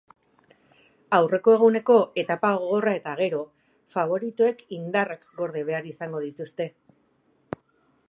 Aurreko eguneko etapa gogorra eta gero faboritoek indarrak gorde behar izango dituzte.